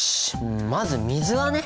んまず水はね